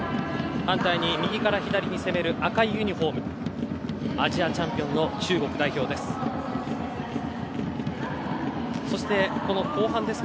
反対に右から左に攻める赤いユニホームアジアチャンピオンの中国代表です。